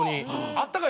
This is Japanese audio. あったかい